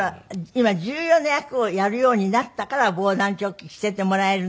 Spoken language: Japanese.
今重要な役をやるようになったから防弾チョッキ着せてもらえるので。